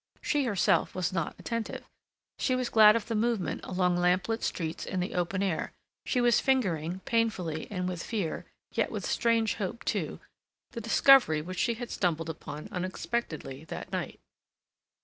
She herself was not attentive. She was glad of the movement along lamp lit streets in the open air. She was fingering, painfully and with fear, yet with strange hope, too, the discovery which she had stumbled upon unexpectedly that night.